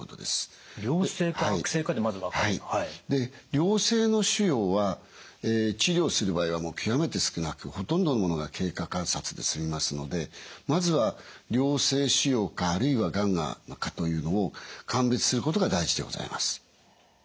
良性の腫瘍は治療する場合はもう極めて少なくほとんどのものが経過観察で済みますのでまずは良性腫瘍かあるいはがんかというのを鑑別することが大事でございます。